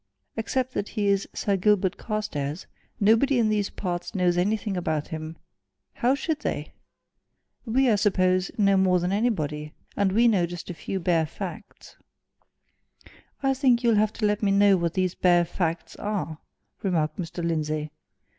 Except that he is Sir Gilbert Carstairs, nobody in these parts knows anything about him how should they? We, I suppose, know more than anybody and we know just a few bare facts." "I think you'll have to let me know what these bare facts are," remarked Mr. Lindsey.